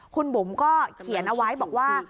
คุณบุ๋มก็เขียนเอาไว้บอกว่า